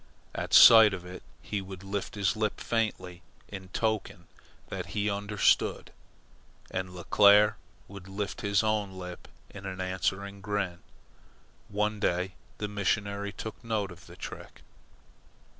At sight of it he would lift his lip faintly in token that he understood, and Leclere would lift his own lip in an answering grin. One day the missionary took note of the trick.